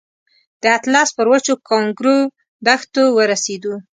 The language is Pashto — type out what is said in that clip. د اطلس پر وچو کانکرو دښتو ورسېدو.